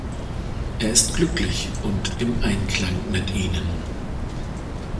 Er ist glücklich und im Einklang mit ihnen.